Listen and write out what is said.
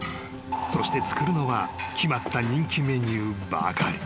［そして作るのは決まった人気メニューばかり］